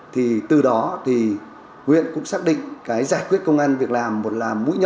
thì từ đó thì huyện cũng xác định cái giải quyết công ăn việc làm một là mũi nhỏ